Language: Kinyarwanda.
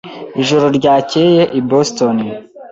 Ijoro ryakeye i Boston.